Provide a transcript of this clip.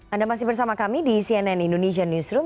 anda masih bersama kami di cnn indonesia newsroom